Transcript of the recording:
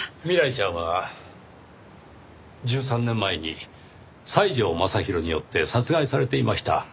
未来ちゃんは１３年前に西條雅弘によって殺害されていました。